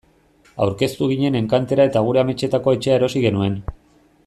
Aurkeztu ginen enkantera eta gure ametsetako etxea erosi genuen.